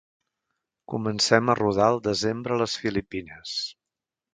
Comencem a rodar el desembre a les Filipines.